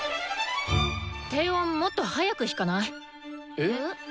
低音もっと速く弾かない？えっ？